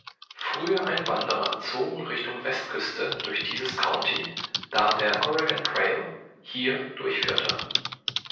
Frühe Einwanderer zogen Richtung Westküste durch dieses County, da der Oregon Trail hier durchführte.